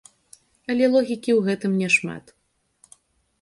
Але логікі ў гэтым няшмат.